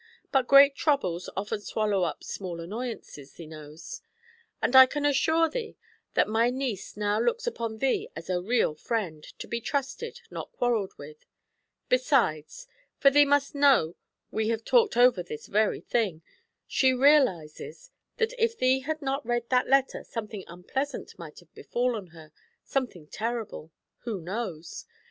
But great troubles often swallow up small annoyances, thee knows; and I can assure thee that my niece now looks upon thee as a real friend, to be trusted, not quarrelled with; besides for thee must know we have talked over this very thing she realizes that if thee had not read that letter something unpleasant might have befallen her, something terrible; who knows?